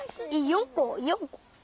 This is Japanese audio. ４こ４こ！